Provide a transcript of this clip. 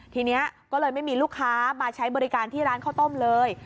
ทีนี้ก็เลยไม่มีลูกค้ามาใช้บริการที่ร้านข้าวต้มเลย